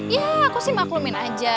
ya aku sih maklumin aja